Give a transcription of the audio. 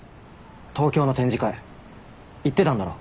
東京の展示会行ってたんだろ？